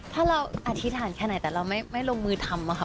ถ้าเราอธิษฐานแค่ไหนแต่เราไม่ลงมือทำค่ะ